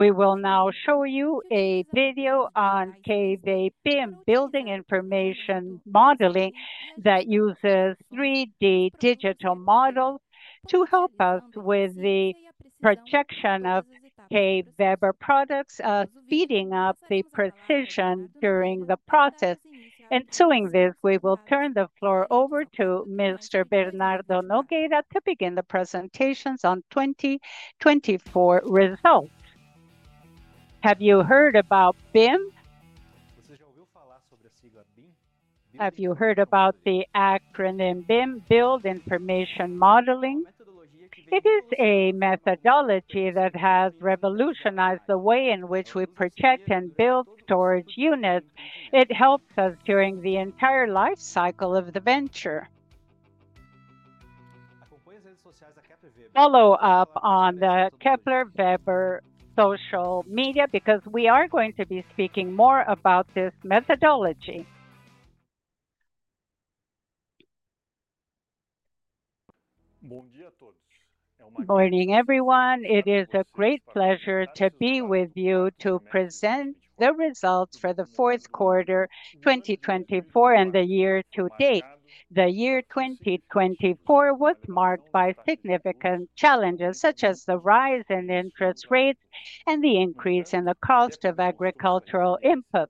we will now show you a video on KBB and building information modeling that uses three d digital models to help us with the projection of KBEBA products, feeding up the precision during the process. And doing this, we will turn the floor over to Mr. Bernardo Nogueira to begin the presentations on twenty twenty four results. Have you heard about BIM? Have you heard about the acronym BIM, Build Information Modeling? It is a methodology that has revolutionized the way in which we protect and build storage units. It helps us during the entire life cycle of the venture. Follow-up on the Kepler Weber social media because we are going to be speaking more about this methodology. Good morning, everyone. It is a great pleasure to be with you to present the results for the fourth quarter twenty twenty four and the year to date. The year 2024 was marked by significant challenges such as the rise in interest rates and the increase in the cost of agricultural input.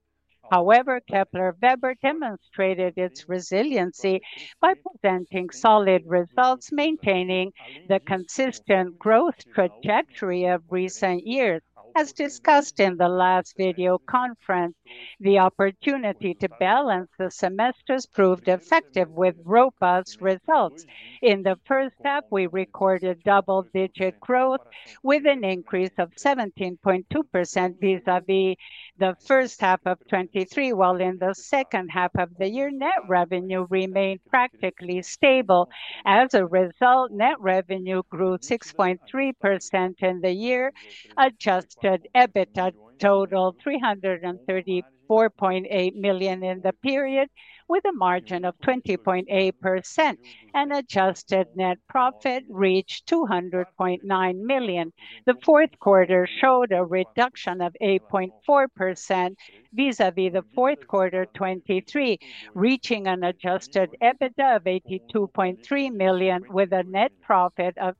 However, Kepler Weber demonstrated its resiliency by presenting solid results, maintaining the consistent growth trajectory of recent years. As discussed in the last video conference, the opportunity to balance the semesters proved effective with robust results. In the first half, we recorded double digit growth with an increase of 17.2% vis a vis the first half of twenty three, while in the second half of the year, net revenue remained practically stable. As a result, net revenue grew 6.3% in the year. Adjusted EBITDA totaled 334,800,000.0 in the period with a margin of 20.8. And adjusted net profit reached 200,900,000.0. The fourth quarter showed a reduction of 8.4% vis a vis the fourth quarter twenty three, reaching an adjusted EBITDA of 82,300,000.0 with a net profit of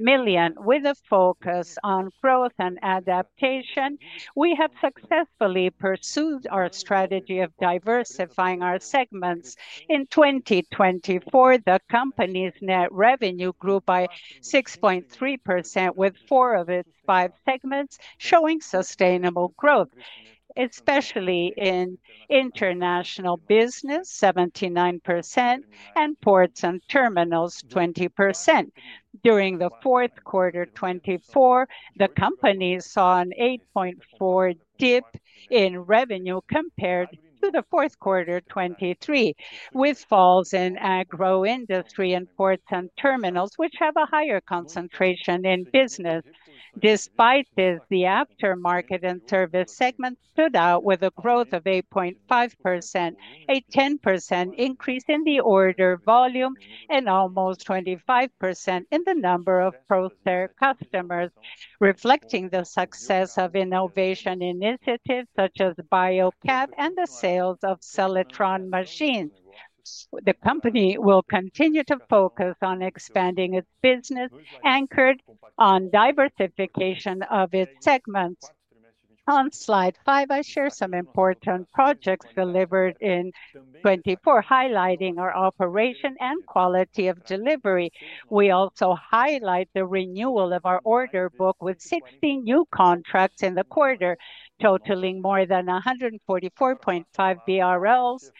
52,000,000 with a focus on growth and adaptation. We successfully pursued our strategy of diversifying our segments. In 2024, the company's net revenue grew by 6.3% with four of its five segments showing sustainable growth, especially in International Business, 79% and Ports and Terminals, 20%. During the fourth quarter twenty twenty four, the company saw an 8.4 dip in revenue compared to the fourth quarter twenty twenty three, with falls in agro industry and ports and terminals, which have a higher concentration in business. Despite this, the aftermarket and service segment stood out with a growth of 8.5%, a 10% increase in the order volume and almost 25% in the number of ProTher customers, reflecting the success of innovation initiatives such as Biocap and the sales of Seletron machines. The company will continue to focus on expanding its business anchored on diversification of its segments. On Slide five, I share some important projects delivered in 2024, highlighting our operation and quality of delivery. We also highlight the renewal of our order book with 16 new contracts in the quarter, totaling more than 144.5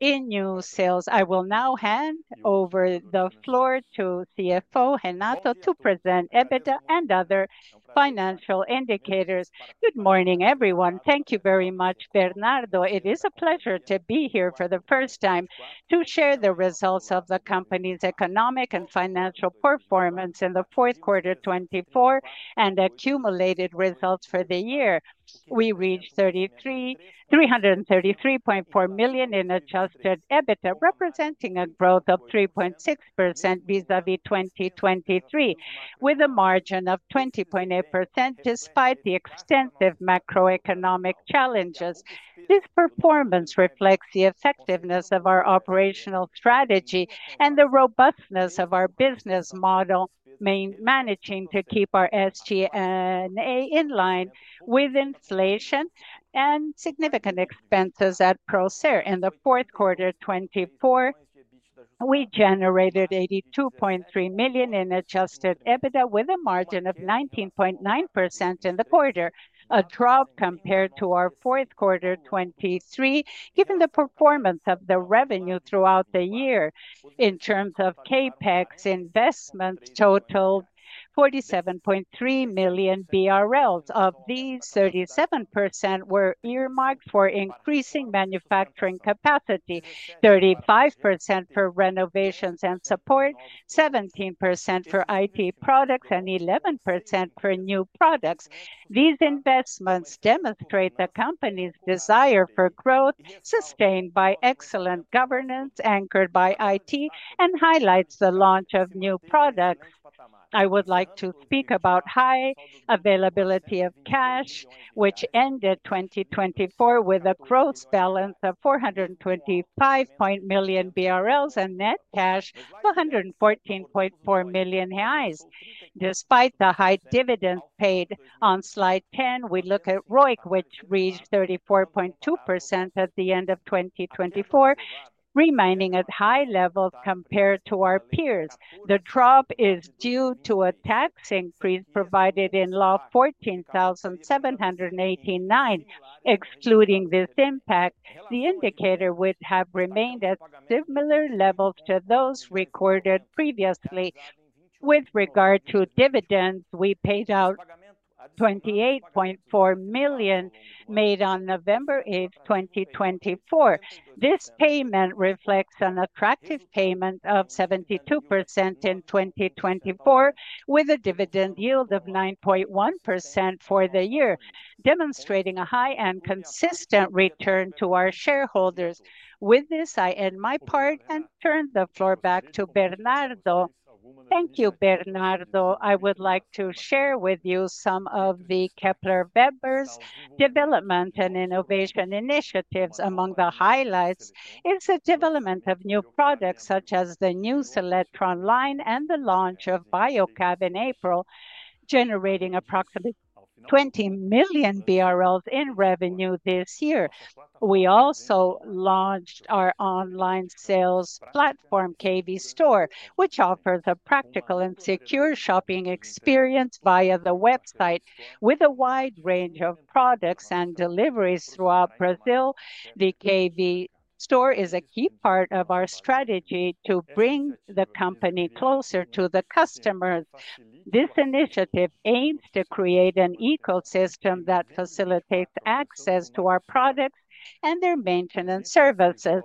in new sales. I will now hand over the floor to CFO, Renato, to present EBITDA and other financial indicators. Good morning, everyone. Thank you very much, Bernardo. It is a pleasure to be here for the first time to share the results of the company's economic and financial performance in the fourth quarter twenty twenty four and accumulated results for the year. We reached $333,400,000 in adjusted EBITDA, representing a growth of 3.6% vis a vis 2023 with a margin of 20.8% despite the extensive macroeconomic challenges. This performance reflects the effectiveness of our operational strategy and the robustness of our business model main managing to keep our SG and A in line with inflation and significant expenses at ProSair. In the fourth quarter twenty twenty four, we generated $82,300,000 in adjusted EBITDA with a margin of 19.9% in the quarter, a drop compared to our fourth quarter twenty three, given the performance of the revenue throughout the year. In terms of CapEx, investments totaled 47,300,000. Of these, 37% were earmarked for increasing manufacturing capacity, 35% for renovations and support, 17% for IT products, and 11% for new products. These investments demonstrate the company's desire for growth sustained by excellent governance anchored by IT and highlights the launch of new products. I would like to speak about high availability of cash, which ended 2024 with a gross balance of BRL $425,000,000 and net cash 114.4 million reais. Despite the high dividend paid on Slide 10, we look at ROIC, which reached 34.2 percent at the end of 2024, remaining at high levels compared to our peers. The drop is due to a tax increase provided in law 14,789. Excluding this impact, the indicator would have remained at similar levels to those recorded previously. With regard to dividends, we paid out $28,400,000 made on 11/08/2024. This payment reflects an attractive payment of 72% in 2024 with a dividend yield of 9.1% for the year, demonstrating a high and consistent return to our shareholders. With this, I end my part and turn the floor back to Bernardo. Thank you, Bernardo. I would like to share with you some of the Kepler Bebbers development and innovation initiatives. Among the highlights is the development of new products such as the new Selectron line and the launch of BioCab in April, generating approximately 20,000,000 BRLs in revenue this year. We also launched our online sales platform, KBStore, which offers a practical and secure shopping experience via the website with a wide range of products and deliveries throughout Brazil. The KV store is a key part of our strategy to bring the company closer to the customers. This initiative aims to create an ecosystem that facilitates access to our products and their maintenance services.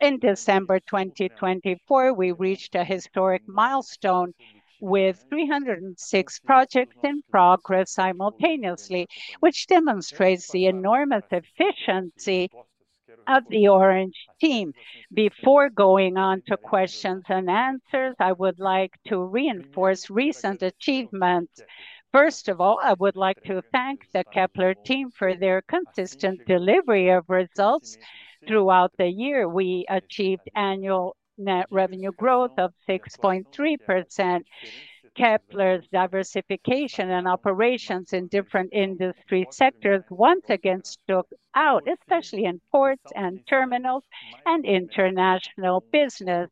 In December 2024, we reached a historic milestone with three zero six projects in progress simultaneously, which demonstrates the enormous efficiency of the Orange team. Before going on to questions and answers, I would like to reinforce recent achievements. First of all, I would like to thank the Kepler team for their consistent delivery of results. Throughout the year, we achieved annual net revenue growth of 6.3%. Kepler's diversification and operations in different industry sectors once again took out, especially in ports and terminals and international business.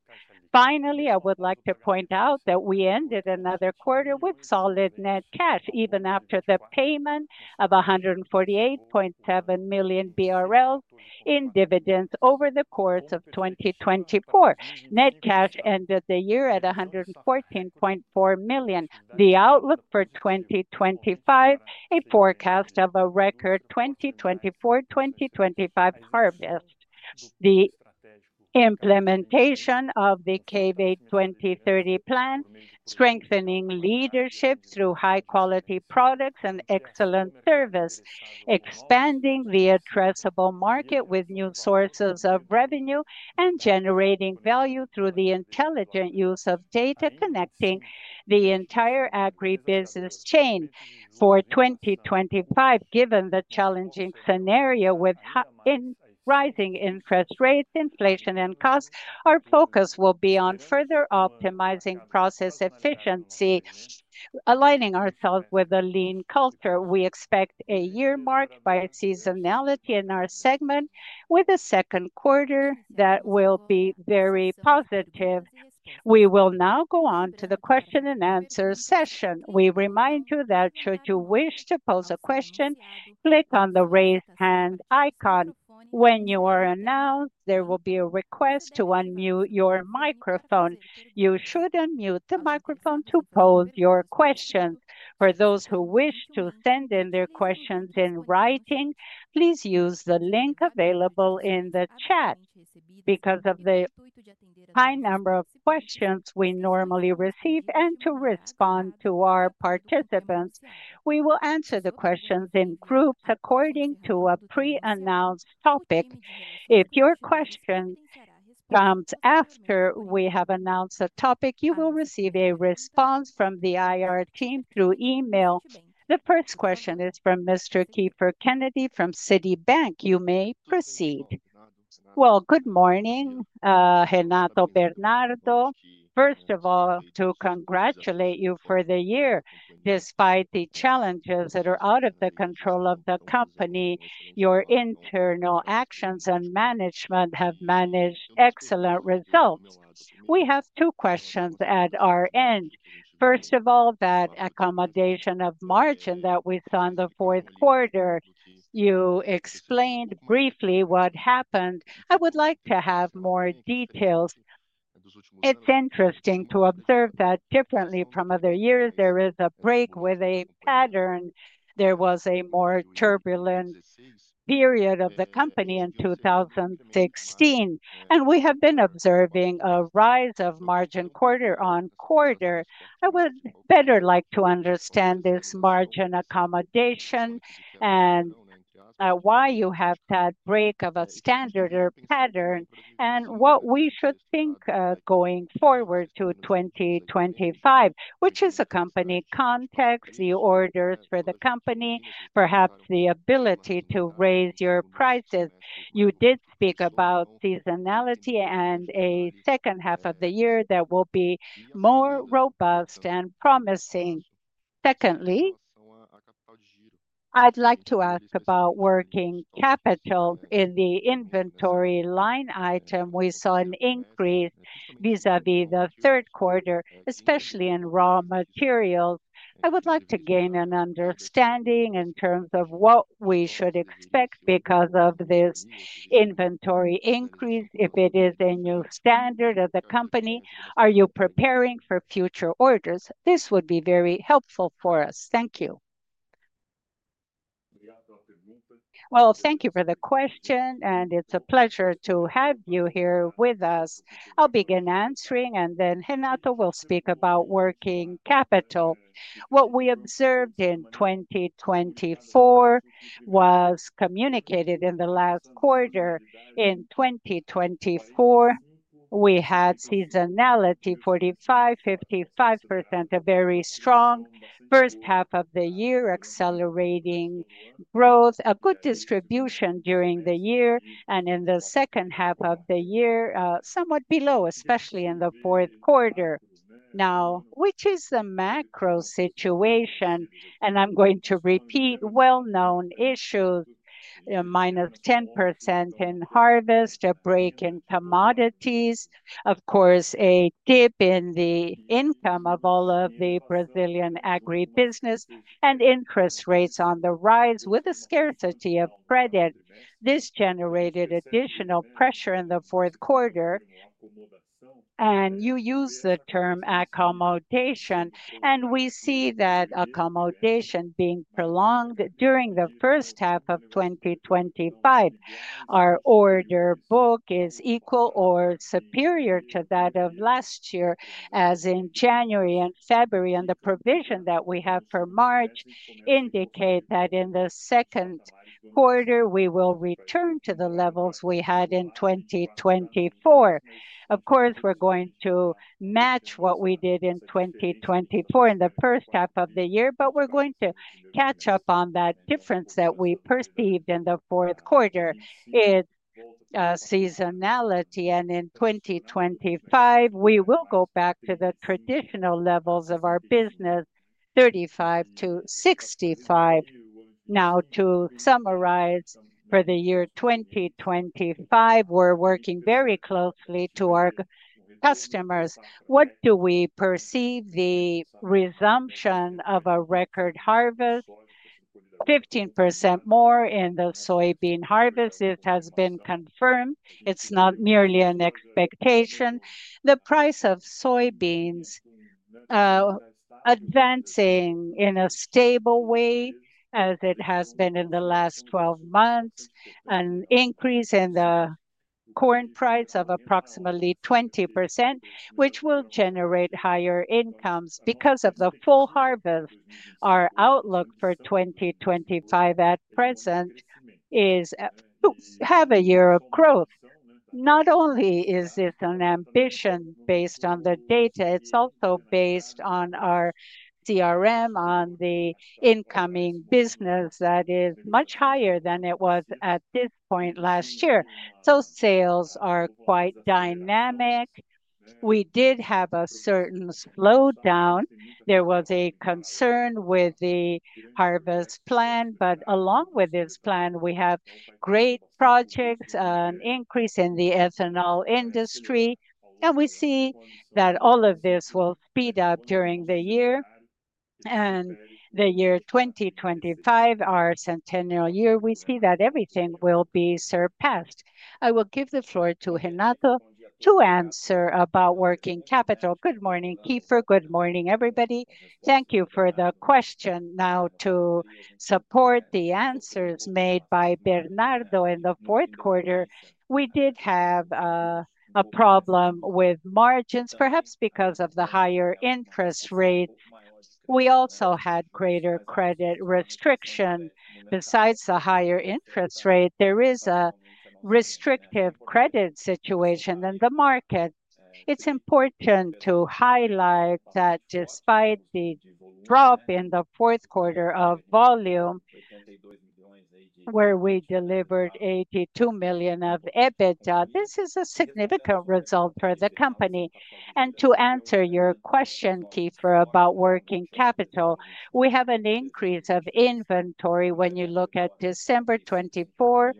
Finally, I would like to point out that we ended another quarter with solid net cash even after the payment of 148,700,000.0 BRL in dividends over the course of 2024. Net cash ended the year at a hundred and 14,400,000.0. The outlook for 2025, a forecast of a record twenty twenty four, twenty twenty five harvest. The implementation of the KV-two 30 plan, strengthening leadership through high quality products and excellent service, expanding the addressable market with new sources of revenue and generating value through the intelligent use of data connecting the entire agribusiness chain. For 2025, given the challenging scenario with rising interest rates, inflation and costs, our focus will be on further optimizing process efficiency, aligning ourselves with the lean culture. We expect a year marked by seasonality in our segment with the second quarter that will be very positive. We will now go on to the question and answer session. We remind you that should you wish to pose a question, click on the raise hand icon. When you are announced, there will be a request to unmute your microphone. You should unmute the microphone to pose your question. For those who wish to send in their questions in writing, please use the link available in the chat. Because of the high number of questions we normally receive and to respond to our participants, we will answer the questions in groups according to a preannounced topic. If your question comes after we have announced the topic, you will receive a response from the IR team through email. The first question is from Mr. Kiefer Kennedy from Citibank. You may proceed. Well, good morning, Renato Bernardo. First of all, to congratulate you for the year Despite the challenges that are out of the control of the company, your internal actions and management have managed excellent results. We have two questions at our end. First of all, that accommodation of margin that we saw in the fourth quarter, you explained briefly what happened. I would like to have more details. It's interesting to observe that differently from other years, there is a break with a pattern. There was a more turbulent period of the company in 2016. And we have been observing a rise of margin quarter on quarter. I would better like to understand this margin accommodation and why you have that break of a standard or pattern and what we should think going forward to 2025, which is a company context, the orders for the company, perhaps the ability to raise your prices. You did speak about seasonality and a second half of the year that will be more robust and promising. Secondly, I'd like to ask about working capital in the inventory line item. We saw an increase vis a vis the third quarter, especially in raw materials. I would like to gain an understanding in terms of what we should expect because of this inventory increase? If it is a new standard of the company, are you preparing for future orders? This would be very helpful for us. Thank you. Well, thank you for the question, and it's a pleasure to have you here with us. I'll begin answering, and then Renato will speak about working capital. What we observed in 2024 was communicated in the last quarter. In 2024, we had seasonality 45%, fifty five %, a very strong first half of the year accelerating growth, a good distribution during the year and in the second half of the year, somewhat below, especially in the fourth quarter. Now which is the macro situation? And I'm going to repeat well known issues, minus 10% in harvest, a break in commodities, of course, a dip in the income of all of the Brazilian agribusiness and interest rates on the rise with the scarcity of credit. This generated additional pressure in the fourth quarter. And you used the term accomodation. And we see that accomodation being prolonged during the first half of twenty twenty five. Our order book is equal or superior to that of last year as in January and February, and the provision that we have for March indicate that in the second quarter, we will return to the levels we had in 2024. Of course, we're going to match what we did in 2024 in the first half of the year, but we're going to catch up on that difference that we perceived in the fourth quarter. It's seasonality. And in 2025, we will go back to the traditional levels of our business, '35 to '65. Now to summarize, for the year 2025, we're working very closely to our customers. What do we perceive? The resumption of a record harvest, 15% more in the soybean harvest. It has been confirmed. It's not nearly an expectation. The price of soybeans advancing in a stable way as it has been in the last twelve months, an increase in the corn price of approximately 20%, which will generate higher incomes because of the full harvest. Our outlook for 2025 at present is have a year of growth. Not only is this an ambition based on the data, it's also based on our CRM on the incoming business that is much higher than it was at this point last year. So sales are quite dynamic. We did have a certain slowdown. There was a concern with the harvest plan, but along with this plan, we have great projects, an increase in the ethanol industry. And we see that all of this will speed up during the year. And the year 2025, our centennial year, we see that everything will be surpassed. I will give the floor to Renato to answer about working capital. Good morning, Kiefer. Good morning, everybody. Thank you for the question. Now to support the answers made by Bernardo in the fourth quarter, we did have a problem with margins, perhaps because of the higher interest rate. We also had greater credit restriction. Besides the higher interest rate, there is a restrictive credit situation in the market. It's important to highlight that despite the drop in the fourth quarter of volume where we delivered $82,000,000 of EBITDA, this is a significant result for the company. And to answer your question, Keith, about working capital, we have an increase of inventory when you look at December 24,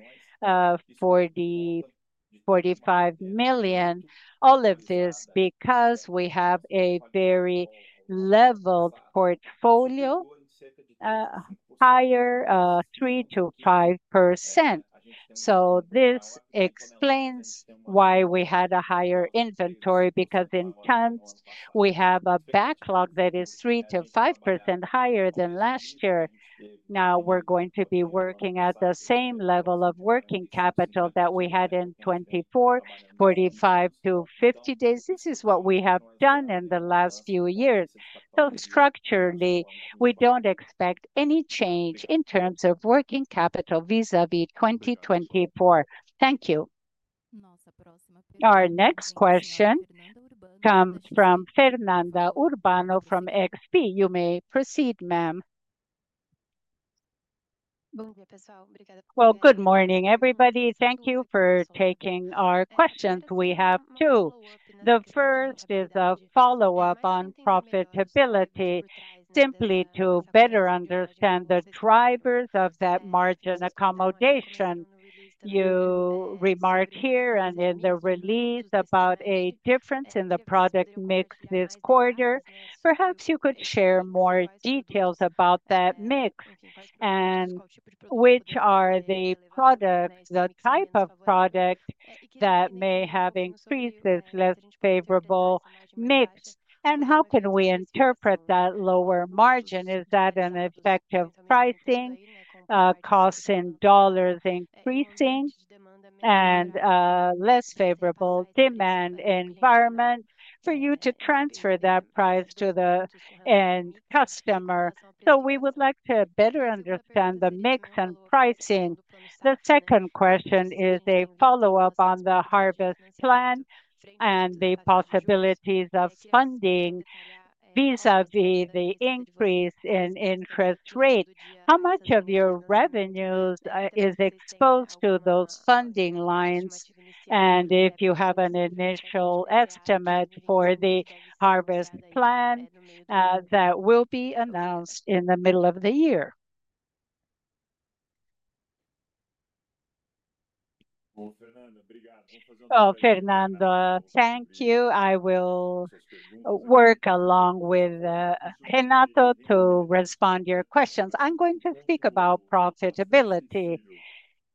$4,045,000,000. All of this because we have a very leveled portfolio, higher, three to 5%. So this explains why we had a higher inventory because in times we have a backlog that is three to 5% higher than last year. Now we're going to be working at the same level of working capital that we had in twenty four, forty five to fifty days. This is what we have done in the last few years. So structurally, we don't expect any change in terms of working capital vis a vis 2024. Thank you. Our next question comes from Fernanda Urbano from XP. You may proceed, ma'am. Well, good morning, everybody. Thank you for taking our questions. We have two. The first is a follow-up on profitability simply to better understand the drivers of that margin accommodation. You remark here and in the release about a difference in the product mix this quarter. Perhaps you could share more details about that mix and which are the product, the type of product that may have increased this less favorable mix? And how can we interpret that lower margin? Is that an effective pricing, costs in dollars increasing and less favorable demand environment to the end customer. So we would like to better understand the mix and pricing. The second question is a follow-up on the harvest plan and the possibilities of funding vis a vis the increase in interest rate. How much of your revenues is exposed to those funding lines? And if you have an initial estimate for the harvest plan, that will be announced in the middle of the year. Oh, Fernando, thank you. I will work along with Renato to respond to your questions. I'm going to speak about profitability.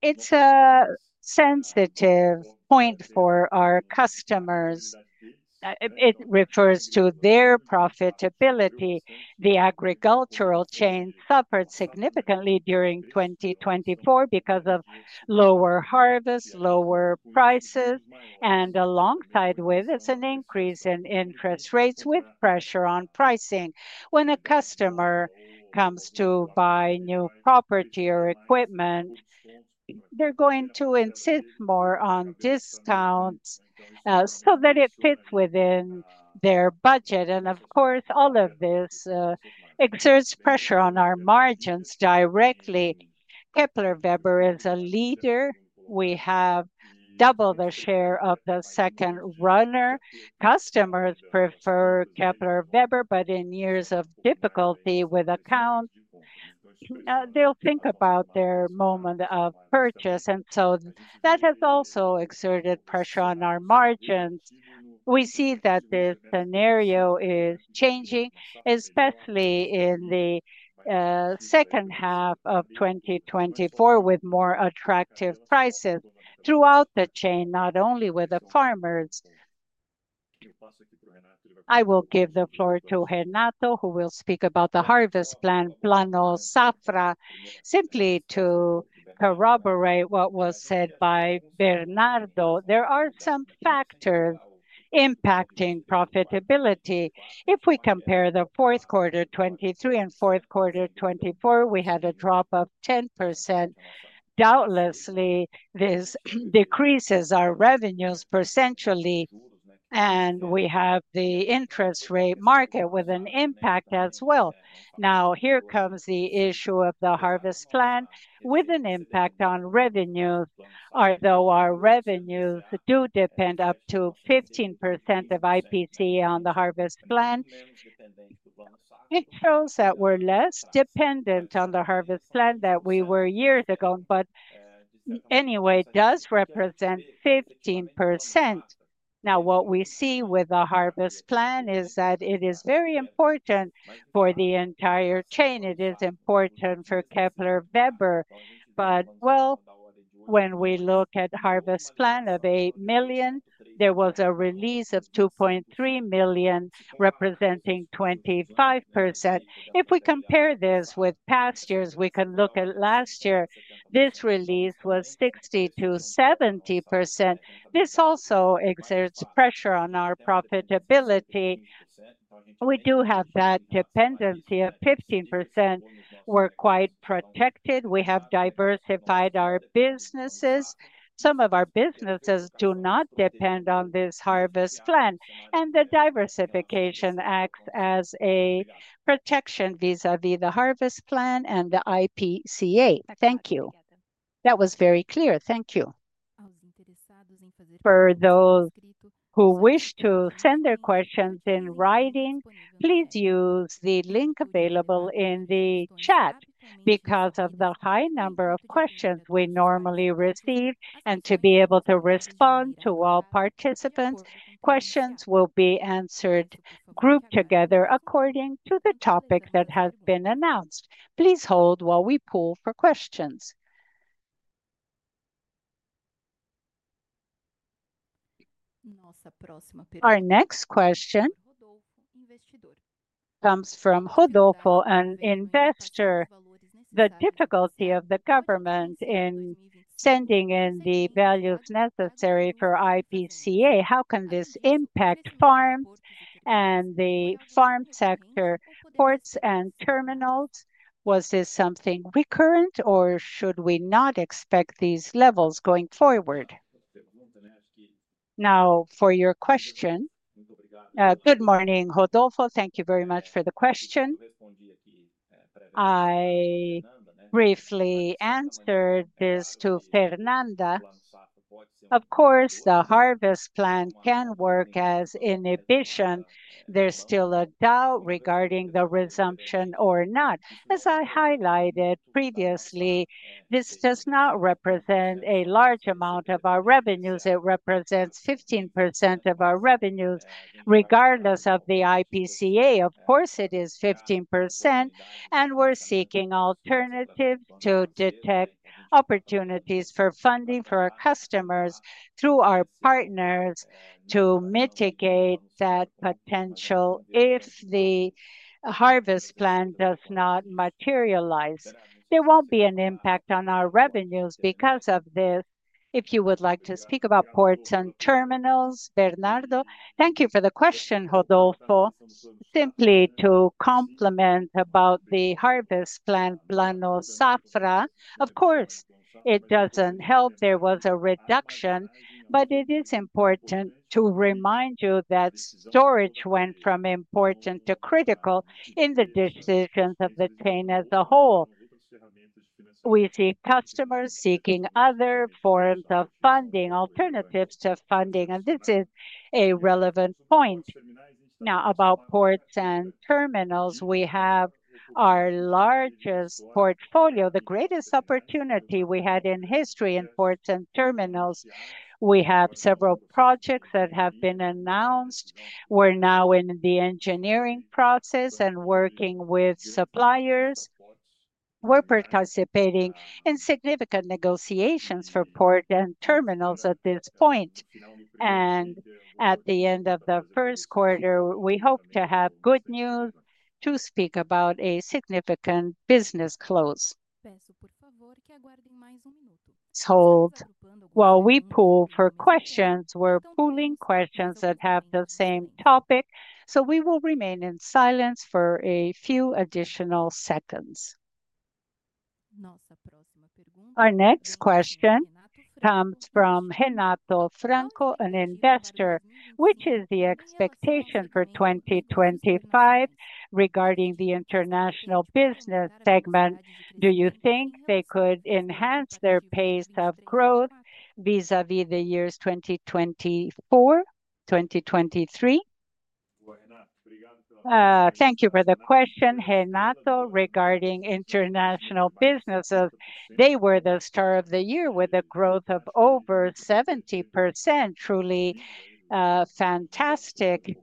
It's a sensitive point for our customers. It refers to their profitability. The agricultural chain suffered significantly during 2024 because of lower harvest, lower prices and alongside with it's an increase in interest rates with pressure on pricing. When a customer comes to buy new property or equipment, they're going to insist more on discounts so that it fits within their budget. And of course, all of this exerts pressure on our margins directly. Kepler Weber is a leader. We have double the share of the second runner. Customers prefer Kepler Weber, but in years of difficulty with accounts, they'll think about their moment of purchase. And so that has also exerted pressure on our margins. We see that this scenario is changing, especially in the second half of twenty twenty four with more attractive prices throughout the chain, not only with the farmers. I will give the floor to Renato, who will speak about the harvest plant, Plano Safra, simply to corroborate what was said by Bernardo. There are some factors impacting profitability. If we compare the fourth quarter 'twenty three and fourth quarter 'twenty four, we had a drop of 10%. Doubtlessly, this decreases our revenues percentially, and we have the interest rate market with an impact as well. Now here comes the issue of the harvest plan with an impact on revenues. Although our revenues do depend up to 15% of IPT on the harvest plan, It shows that we're less dependent on the harvest plan that we were years ago, but anyway, it does represent 15%. Now what we see with the harvest plan is that it is very important for the entire chain. It is important for Kepler Weber. But well, when we look at harvest plan of 8,000,000, there was a release of 2,300,000.0, representing 25. If we compare this with past years, we can look at last year. This release was 60% to 70%. This also exerts pressure on our profitability. We do have that dependency of 15%. We're quite protected. We have diversified our businesses. Some of our businesses do not depend on this harvest plan, and the diversification acts as a protection vis a vis the harvest plan and the IPCA. Thank you. That was very clear. Thank you. For those who wish to send their questions in writing, please use the link available in the chat. Because of the high number of questions we normally receive and to be able to respond to all participants, Questions will be answered grouped together according to the topic that has been announced. Please hold while we pull for questions. Our next question comes from Rodolfo, an investor. The difficulty of the government in sending in the values necessary for IPCA. How can this impact farms and the farm sector ports and terminals? Was this something recurrent or should we not expect these levels going forward? Now for your question. Good morning, Rodolfo. Thank you very much for the question. I briefly answered this to Fernanda. Of course, the harvest plant can work as inhibition. There's still a doubt regarding the resumption or not. As I highlighted previously, this does not represent a large amount of our revenues. It represents 15% of our revenues regardless of the I p c a. Of course, it is 15%, and we're seeking alternative to detect opportunities for funding for our customers through our partners to mitigate that potential. If the harvest plan does not materialize, There won't be an impact on our revenues because of this. If you would like to speak about ports and terminals, Bernardo. Thank you for the question, Rodolfo. Simply to compliment about the harvest plant, Safra. Of course, it doesn't help there was a reduction, but it is important to remind you that storage went from important to critical in the decisions of the chain as a whole. We see customers seeking other forms of funding, alternatives to funding, and this is a relevant point. Now about ports and terminals, we have our largest portfolio, the greatest opportunity we had in history in ports and terminals. We have several projects that have been announced. We're now in the engineering process and working with suppliers. We're participating in significant negotiations for port and terminals at this point. And at the end of the first quarter, we hope to have good news to speak about a significant business close. Hold while we pull for questions. We're pulling questions that have the same topic, so we will remain in silence for a few additional seconds. Our next question comes from Renato Franco, an investor. Which is the thank you for the question, Renato. Regarding international business, they were the star of the year with a growth of over 70%. Truly, fantastic.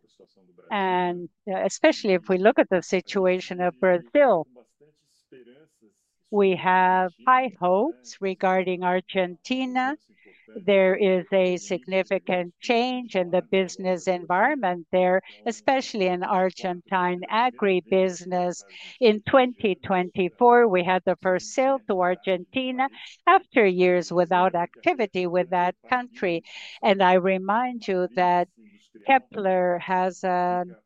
And especially if we look at the situation of Brazil. We have high hopes regarding Argentina. There is a significant change in the business environment there, especially in Argentine agribusiness. In 2024, we had the first sale to Argentina after years without activity with that country. And I remind you that Kepler has an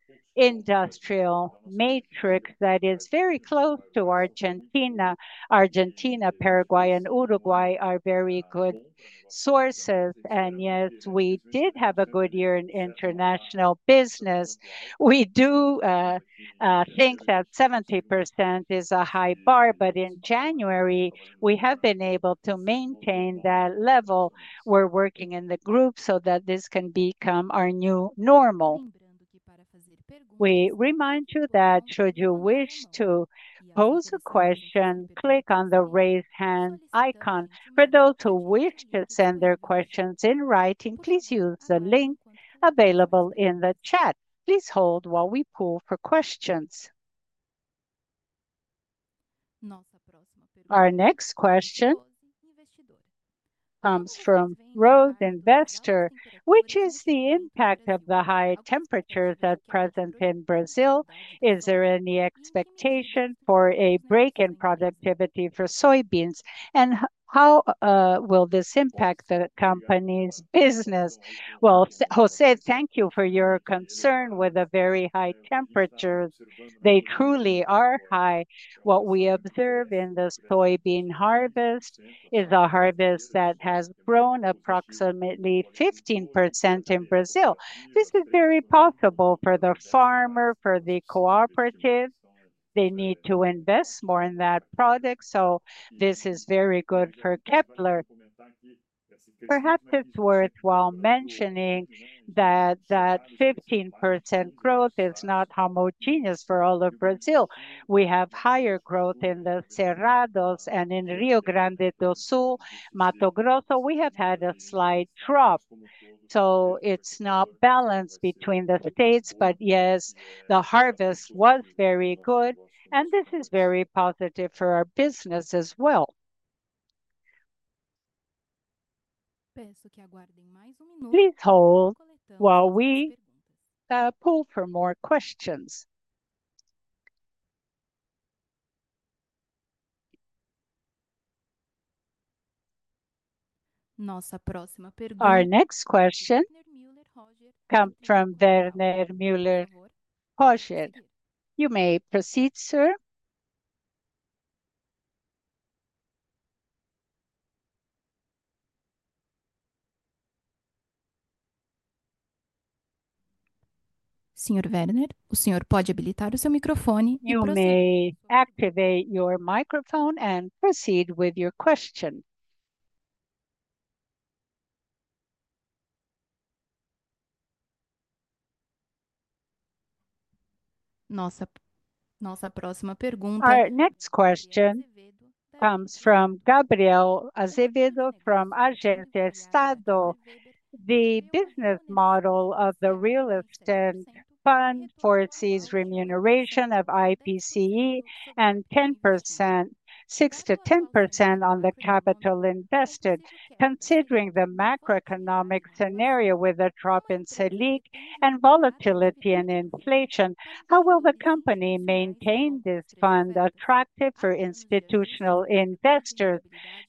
industrial matrix that is very close to Argentina. Argentina, Paraguay, and Uruguay are very good sources, and yet we did have a good year in international business. We do think that 70% is a high bar, but in January, we have been able to maintain that level. We're working in the group so that this can become our new normal. We remind you that should you wish to pose a question, click on the raise hand icon. For those who wish Our next question comes from Rose Investor. Which is the impact of the high temperatures at present in Brazil? Is there any expectation for a break in productivity for soybeans? And how will this impact the company's business? Well, Jose, thank you for your concern with the very high temperatures. They truly are high. What we observe in this soybean harvest is a harvest that has grown approximately 15% in Brazil. This is very possible for the farmer, for the cooperative. They need to invest more in that product, so this is very good for Kepler. Perhaps it's worthwhile mentioning that that 15% growth is not homogeneous for all of Brazil. We have higher growth in the Cerrados and in Rio Grande do Sul Matogroso, we have had a slight drop. So it's not balanced between the dates, but yes, the harvest was very good, and this is very positive for our business as well. Please hold while we pull for more questions. Our next question comes from Werner Mueller You may activate your Our next question comes from Gabriel Azevedo from Argentestado. The business model of the Real Estate Fund, Fortis' remuneration of IPCE and 106% to 10% on the capital invested. Considering the macroeconomic scenario with a drop in Selik and volatility and inflation, how will the company maintain this fund attractive for institutional investors?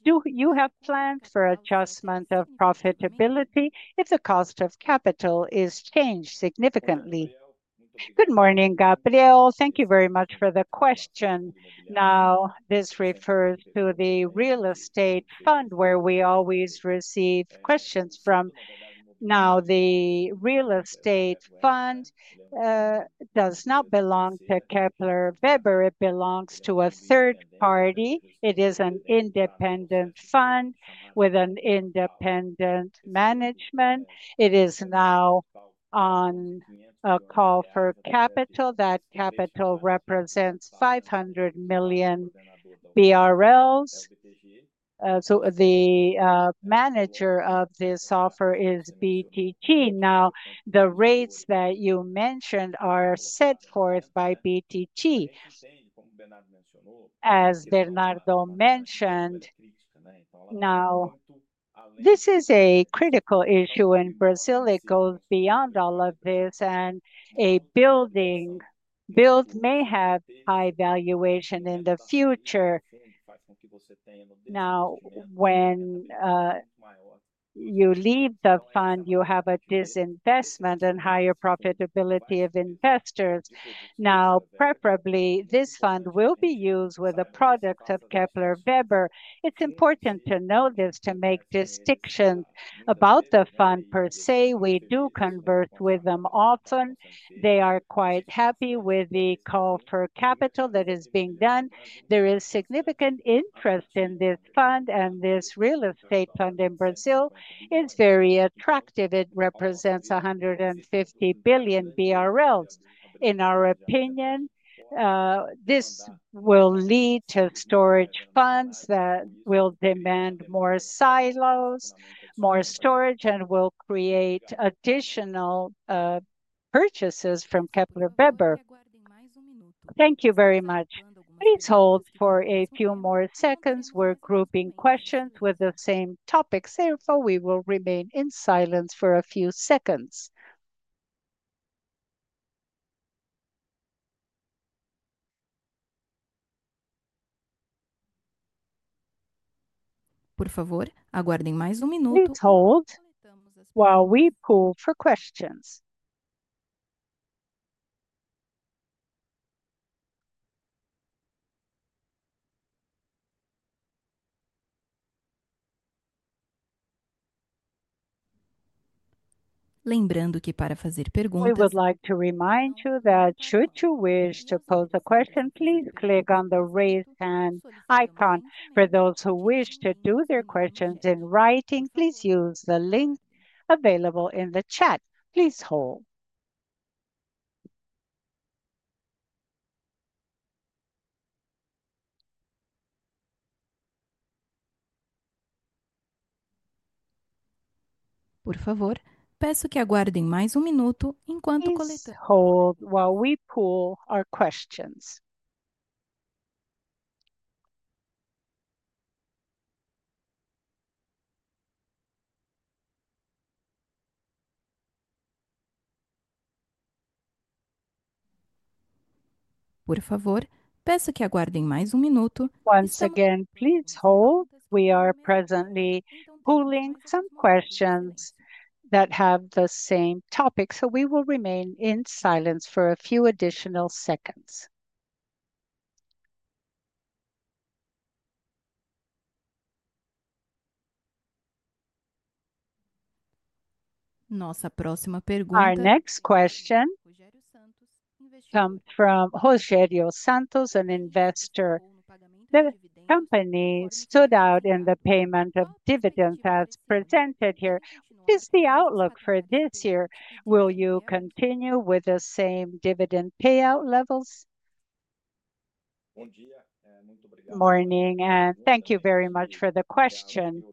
Do you have plans for adjustment of profitability if the cost of capital is changed significantly? Good morning, Gabriel. Thank you very much for the question. Now this refers to the real estate fund where we always receive questions from. Now the real estate fund, does not belong to Kepler Beber. It belongs to a third party. It is an independent fund with an independent management. It is now on a call for capital. That capital represents 500,000,000 BRLs. So the manager of this offer is BTG. Now the rates that you mentioned are set forth by BTG. As Bernardo mentioned, now this is a critical issue in Brazil. It goes beyond all of this, and a building build may have high valuation in the future. Now when you leave the fund, you have a disinvestment and higher profitability of investors. Now preferably, this fund will be used with the product of Kepler Beber. It's important to know this to make distinction about the fund per se. We do convert with them often. They are quite happy with the call for capital that is being done. There is significant interest in this fund, and this real estate fund in Brazil is very attractive. It represents a hundred and 50,000,000,000 BRLs. In our opinion, this will lead to storage funds that will demand more silos, more storage and will create additional purchases from Kepler We would like to remind you that should you wish to post a question, please click on the raise hand icon. For those who wish to do their questions in writing, please use the link available in the chat. Please hold. Once again, please hold. Our next question comes from Jose Rios Santos, an investor. The company stood out in the payment of dividends as presented here. What is the outlook for this year? Will you continue with the same dividend payout levels? Morning and thank you very much for the question.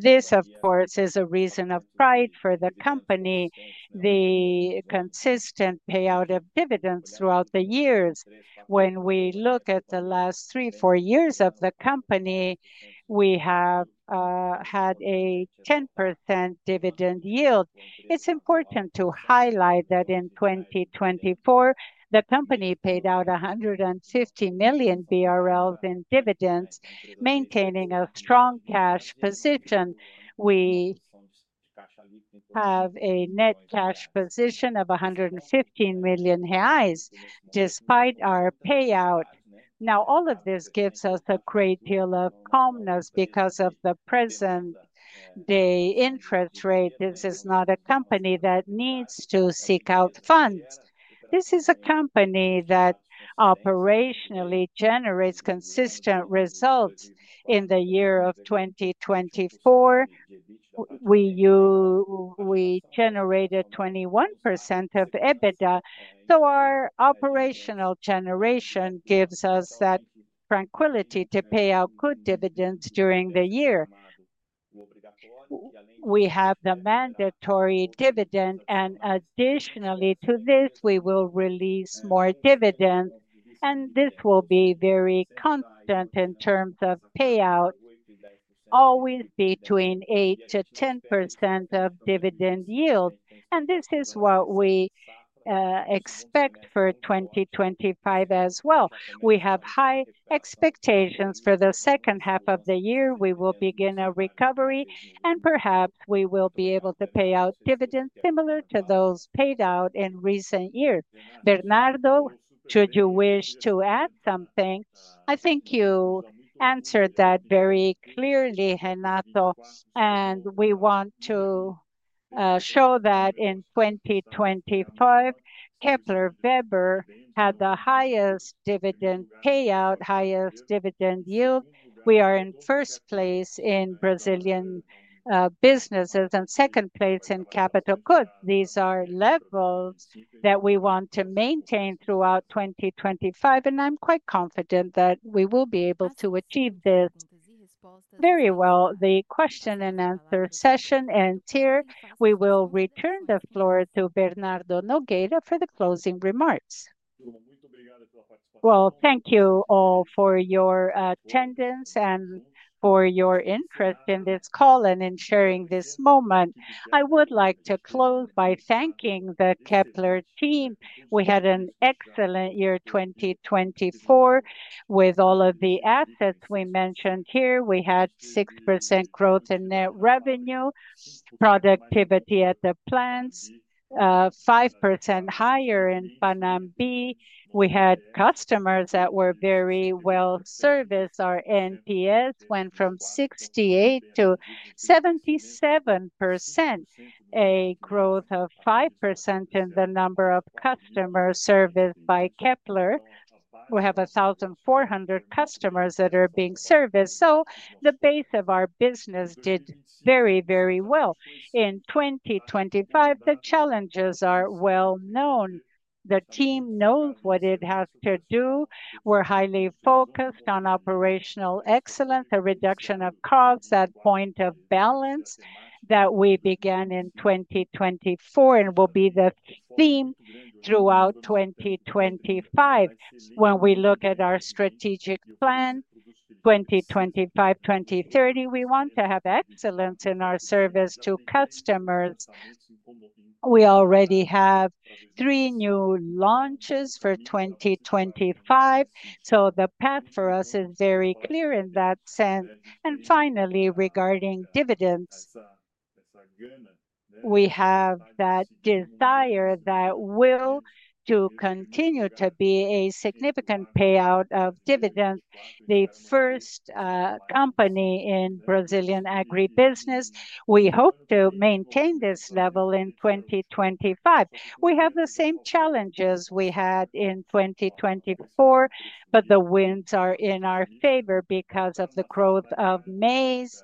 This, of course, is a reason of pride for the company, the consistent payout of dividends throughout the years. When we look at the last three, four years of the company, we have had a 10% dividend yield. It's important to highlight that in 2024, the company paid out 150 million BRL in dividends, maintaining a strong cash position. We have a net cash position of 115 million reais despite our payout. Now all of this gives us a great deal of calmness because of the present day interest rate. This is not a company that needs to seek out funds. This is a company that operationally generates consistent results. In the year of 2024, we generated 21% of EBITDA. So our operational generation gives us that tranquility to pay out good dividends during the year. We have the mandatory dividend. And additionally to this, we will release more dividends. And this will be very constant in terms of payout, always between 8% to 10% of dividend yield. And this is what we expect for 2025 as well. We have high expectations for the second half of the year. We will begin a recovery and perhaps we will be able to pay out dividends similar to those paid out in recent years. Bernardo, should you wish to add something? I think you answered that very clearly, Renato. And we want to show that in 2025, Kepler Weber had the highest dividend payout, highest dividend yield. We are in first place in Brazilian businesses and second place in capital good. These are levels that we want to maintain throughout 2025, and I'm quite confident that we will be able to achieve this very well. The question and answer session ends here. We will return the floor to Bernardo Nogueira for the closing remarks. Well, thank you all for your attendance and for your interest in this call and in sharing this moment. I would like to close by thanking the Kepler team. We had an excellent year 2024 with all of the assets we mentioned here. We had 6% growth in net revenue, productivity at the plants, 5% higher in Panambi. We had customers that were very well serviced. Our NPS went from 68 to 77, a growth of 5% in the number of customers serviced by Kepler. We have a 400 customers that are being serviced. So the base of our business did very, very well. In 2025, the challenges are well known. The team knows what it has to do. We're highly focused on operational excellence, the reduction of cost, that point of balance that we began in 2024 and will be the theme throughout 2025. When we look at our strategic plan, 2025, '2 thousand and '30, we want to have excellence in our service to customers. We already have three new launches for 2025, so the path for us is very clear in that sense. And finally, regarding dividends, we have that desire that will to continue to be a significant payout of dividend, the first company in Brazilian agribusiness. We hope to maintain this level in 2025. We have the same challenges we had in 2024, but the winds are in our favor because of the growth of maize,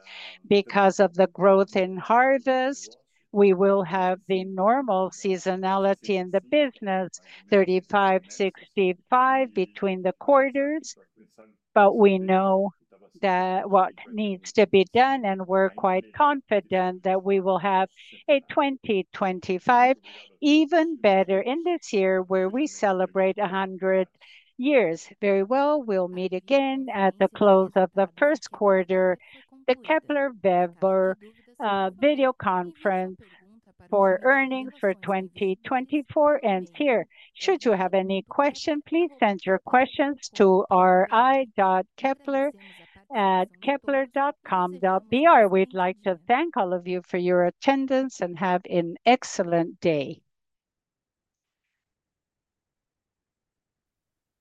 because of the growth in harvest. We will have the normal seasonality in the business, 35, 60 five between the quarters, but we know that what needs to be done, and we're quite confident that we will have a 2025 even better in this year where we celebrate a hundred years. Very well, we'll meet again at the close of the first quarter, the Kepler Bebber video conference for earnings for 2024 ends here. Should you have any question, please send your questions to r I dot kepler